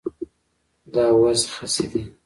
دا وز خسي دی